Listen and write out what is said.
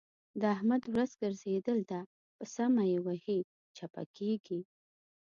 د احمد ورځ ګرځېدل ده؛ چې سمه يې وهي - چپه کېږي.